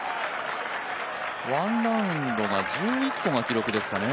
１ラウンドが１１個が記録ですかね。